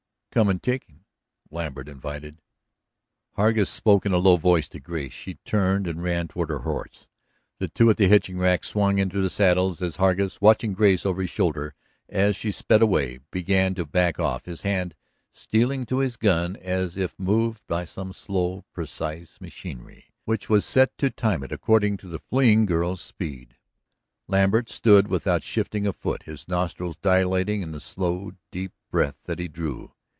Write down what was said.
"Come and take him," Lambert invited. Hargus spoke in a low voice to Grace; she turned and ran toward her horse. The two at the hitching rack swung into their saddles as Hargus, watching Grace over his shoulder as she sped away, began to back off, his hand stealing to his gun as if moved by some slow, precise machinery which was set to time it according to the fleeing girl's speed. Lambert stood without shifting a foot, his nostrils dilating in the slow, deep breath that he drew.